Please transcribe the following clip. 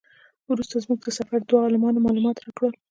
وروسته زموږ د سفر دوو عالمانو معلومات راکړل.